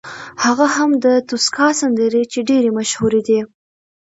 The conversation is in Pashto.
هغه هم د توسکا سندرې چې ډېرې مشهورې دي.